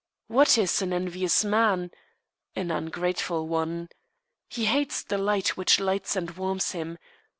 What is an envious man? An ungrateful one. He hates the light which lights and warms him.